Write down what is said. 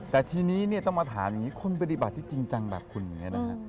แต่ทีนี้ต้องมาถามคนปฏิบัติจริงแบบคุณเหมือนเอิญ